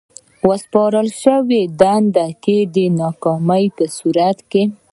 په ورسپارل شوې دنده کې د ناکامۍ په صورت کې.